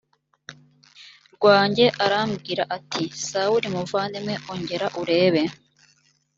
rwanjye arambwira ati sawuli muvandimwe ongera urebe